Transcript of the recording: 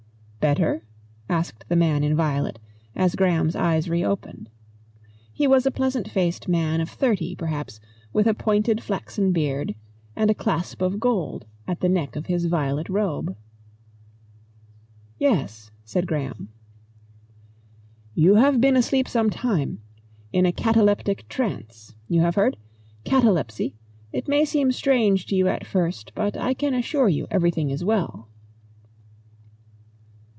"Better?" asked the man in violet, as Graham's eyes reopened. He was a pleasant faced man of thirty, perhaps, with a pointed flaxen beard, and a clasp of gold at the neck of his violet robe. "Yes," said Graham. "You have been asleep some time. In a cataleptic trance. You have heard? Catalepsy? It may seem strange to you at first, but I can assure you everything is well."